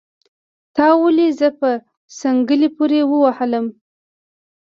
تا ولې زه په څنګلي پوري وهلم